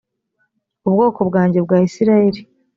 ubwoko bwanjye bwa isirayeli